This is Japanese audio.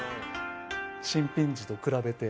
新品時と比べて。